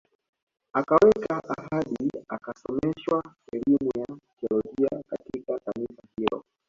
Akaweka ahadi akasomeshwa elimu ya teolojia katika kanisa hilo